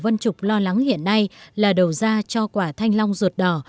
vân trục lo lắng hiện nay là đầu ra cho quả thanh long ruột đỏ